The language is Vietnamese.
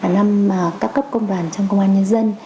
năm các cấp công đoàn trong công an nhân dân